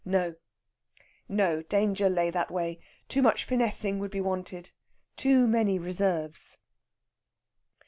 No, no! Danger lay that way. Too much finessing would be wanted; too many reserves.